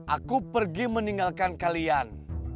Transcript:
aku pergi meninggalkan kalian